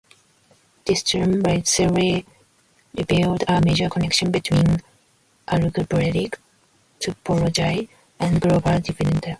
This Chern-Weil theory revealed a major connection between algebraic topology and global differential geometry.